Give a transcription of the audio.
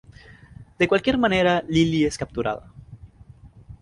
De cualquier manera, Lily es capturada.